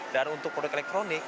dan untuk produk elektronik